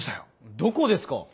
どこですか？